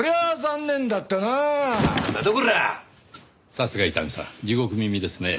さすが伊丹さん地獄耳ですねぇ。